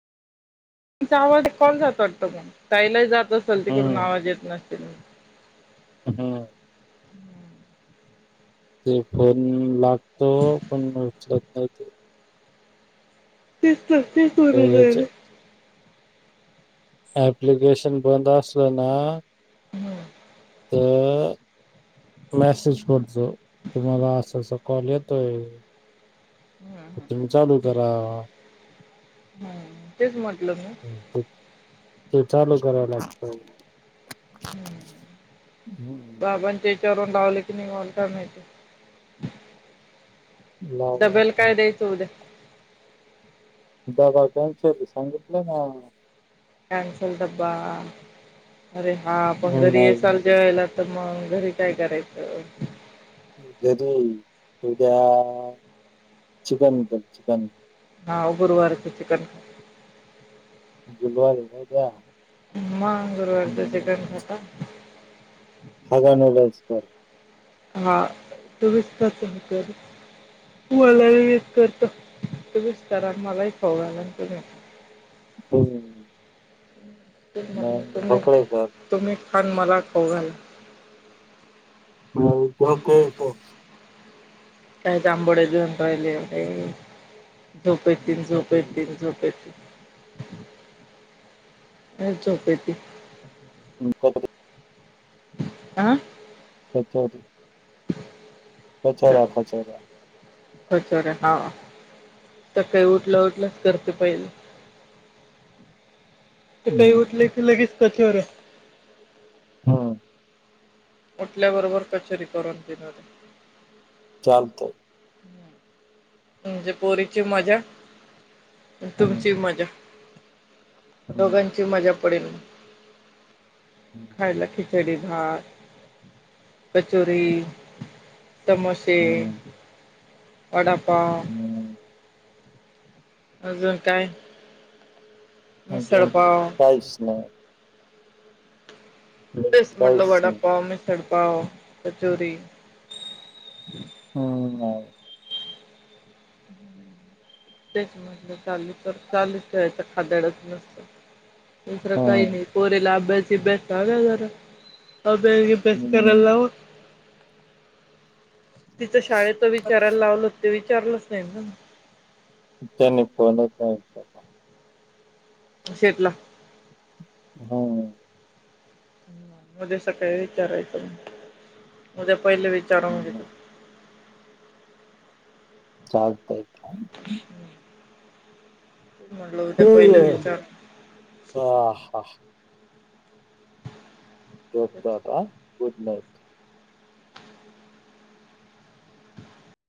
तुमचा आवांज कॉल जातं वाटतं मंग ताईलाही जातं असेल तिकडूंन हम्म आवांज येतं नसतील. हम्मं... तीचं फोन लागतो पणं उचलंत नाहीं ती. तेचं तरं तेचं तर करूंन राहीलं याच नां- एप्लिकेशन बंद असलं नां- हम्मं... तरं मेसेज पडतो तुम्हांला असं असं कॉल येतं- तोयं तरं तुम्हीं चालूं करां. हम्म तेच म्हटलं मी- तेही ठीक ते चालू करावला लागत. हम्.... बाबांच्या हिच्यावरून लावले की नाही वालात नाहीतर ते. लावला डबल असता. काय द्यायच होऊ दया- दबाघांचे सांगितलं ना. काय स्वयंपाक झालाडब्बा अरे हा पण घरी ये नाही चल जेवायला. तर मग घरी काय करायचं- घरी ऊद्या चिकन तर चिकन-. हा गुरवारच चिकन - गुरवार ये काय उद्या- मा गुरुवारच चिकन खाता- खाल् ल नाहीच तर- [unintelligible] तुवाला य करतो त विस्तार मलाही फव आला ना तम'. हो हो.... ढोकळेकर तुम्ही खा अन मला खाऊ घाला. मग ढोकळेकर काय जामबोढ दंतहिले- झोपेतील झोपेतील झोपेतील- [inaudible] ह. आ सत होत. [inaudible] असच. कचोरा कचोरी हा तर काही उठलं उठलंच करते पहिले. ते काही हम्म उठले क लगेच कथवर. हा. उठल्याबरोबर कचोरी करून देणारे- चालतंय- म्हणजे पोरीची मज्जा हम्म तुमची मज्जा- हम्म दोघांची मजा पडेल खायला की- कढी भात कचोरी- समोसेे हम्म वडापाव. हम्म अजून काय. अजून मिसळपाव काहीच नाही. हम्म, तेच म्हटलं काहीच नाही वडापाव मिसळ पाव कचोरी. हम् हा. त्याच म्हणलं चाली तर चालूच ठेळायच खादडच नसत दुसरं काही हम्म नाही. पोरीला अभ्यास [unintelligible] सिबस जरा अ हम्म बसला. तिचं शाळेत विचारायला लावलं ते विचारलंच नाही ना. त्यांनी फोनच नाही उचलला शीतला. [unintelligible] हो. उद्या सकाळी काही विचारायचं ना उद्या पहिले विचारा घ्या. हम्म चालतंय. म्हटलं उद्या पहिले हेयो, विचार हा हा. झोपतो आता आ? Good night.